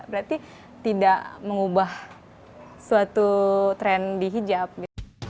berarti tidak mengubah suatu tren di hijab